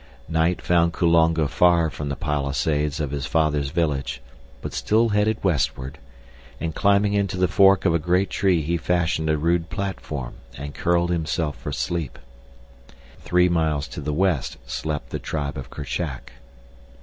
Night found Kulonga far from the palisades of his father's village, but still headed westward, and climbing into the fork of a great tree he fashioned a rude platform and curled himself for sleep. Three miles to the west slept the tribe of Kerchak.